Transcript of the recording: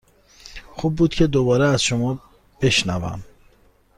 خوب بود که دوباره از شما بشنوم.